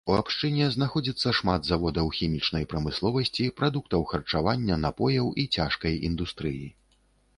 У абшчыне знаходзіцца шмат заводаў хімічнай прамысловасці, прадуктаў харчавання, напояў і цяжкай індустрыі.